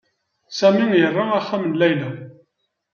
Sami ira axxam n Layla.